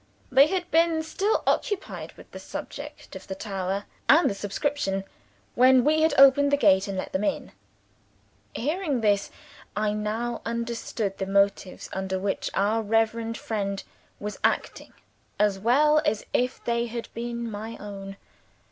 They had been still occupied with the subject of the tower and the subscription, when we had opened the garden gate and had let them in. Hearing this, I now understood the motives under which our reverend friend was acting as well as if they had been my own.